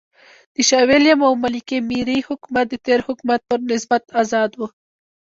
د شاه وېلیم او ملکې مېري حکومت د تېر حکومت پر نسبت آزاد و.